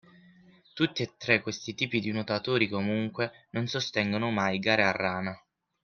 Tutti e tre questi tipi di nuotatori, comunque, non sostengono mai gare a rana.